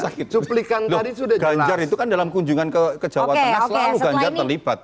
sakit suplikan dari sudah ganjar itu kan dalam kunjungan ke kejauhan ya selalu ganjar terlibat